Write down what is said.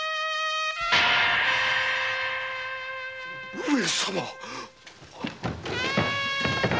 上様！？